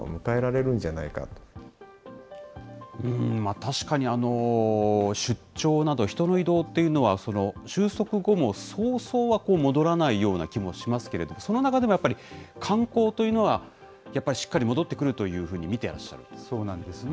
確かに出張など、人の移動っていうのは、収束後も早々は戻らないような気もしますけれども、その中でもやっぱり、観光というのは、やっぱりしっかり戻ってくるというふうに見てらっしゃるんですね。